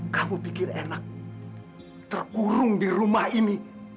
kamu pikir enak terkurung di rumah ini